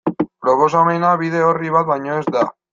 Proposamena bide orri bat baino ez da.